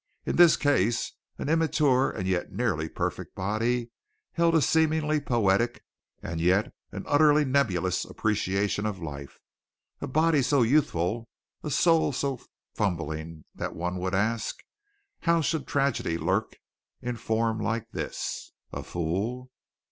In this case an immature and yet nearly perfect body held a seemingly poetic and yet utterly nebulous appreciation of life a body so youthful, a soul so fumbling that one would ask, How should tragedy lurk in form like this? A fool?